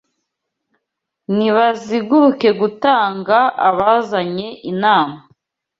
Nibaziguruke gutunga Abazanye inama